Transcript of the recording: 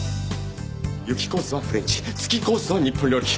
雪コースはフレンチ月コースは日本料理。